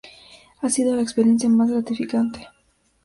Ha sido la experiencia más gratificante".